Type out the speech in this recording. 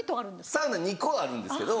サウナ２個あるんですけど